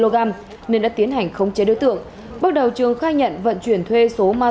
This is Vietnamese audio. một trăm linh gram nên đã tiến hành khống chế đối tượng bước đầu trường khai nhận vận chuyển thuê số ma